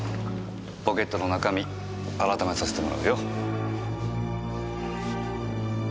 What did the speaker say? ポケットの中身あらためさせてもらうよ。